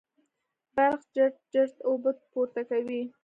برق چړت چړت اوبه پورته کوي.